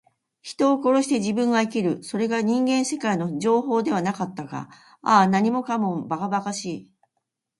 人を殺して自分が生きる。それが人間世界の定法ではなかったか。ああ、何もかも、ばかばかしい。